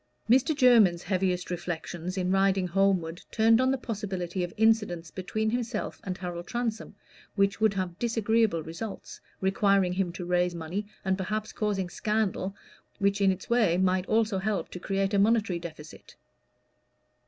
Mr. Jermyn's heaviest reflections in riding homeward turned on the possibility of incidents between himself and Harold Transome which would have disagreeable results, requiring him to raise money, and perhaps causing scandal, which in its way might also help to create a monetary deficit.